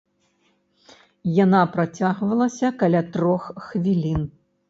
Яна працягвалася каля трох хвілін.